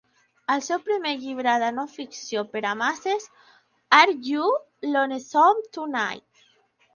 El seu primer llibre de no-ficció per a masses, "Are You Lonesome Tonight?".